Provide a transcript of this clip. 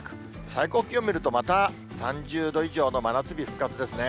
最高気温見ると、また３０度以上の真夏日復活ですね。